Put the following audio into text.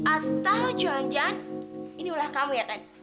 atau cuan cuan ini ulah kamu ya ran